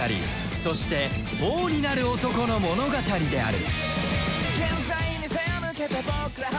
そして王になる男の物語である